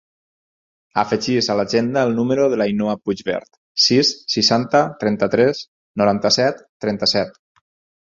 Afegeix a l'agenda el número de l'Ainhoa Puigvert: sis, seixanta, trenta-tres, noranta-set, trenta-set.